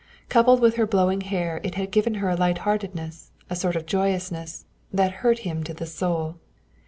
Coupled with her blowing hair it had given her a light heartedness, a sort of joyousness, that hurt him to the soul.